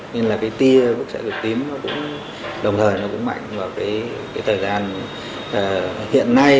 nên là cái tia bức trạng cực tím nó cũng đồng thời nó cũng mạnh vào cái thời gian hiện nay